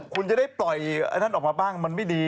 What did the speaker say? คุณจะได้ปล่อยไอ้นั้นออกมาบ้างมันไม่ดี